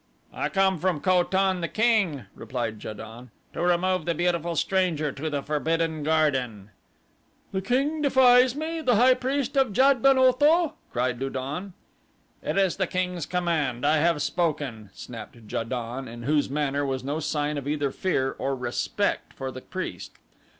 "I come from Ko tan, the king," replied Ja don, "to remove the beautiful stranger to the Forbidden Garden." "The king defies me, the high priest of Jad ben Otho?" cried Lu don. "It is the king's command I have spoken," snapped Ja don, in whose manner was no sign of either fear or respect for the priest.